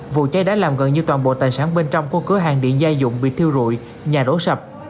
vụ cháy đã làm gần như toàn bộ tài sản bên trong của cửa hàng điện gia dụng bị thiêu rụi nhà đổ sập